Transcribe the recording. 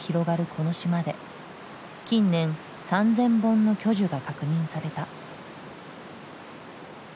この島で近年３，０００本の巨樹が確認された。